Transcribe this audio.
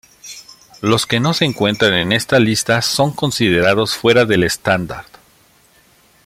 Los que no se encuentran en esta lista son considerados fuera del estándar.